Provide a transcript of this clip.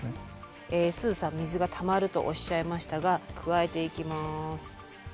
すずさん水がたまるとおっしゃいましたが加えていきます。